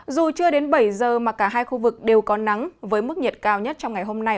dù chưa đến bảy giờ mà cả hai khu vực đều có nắng với mức nhiệt cao nhất trong ngày hôm nay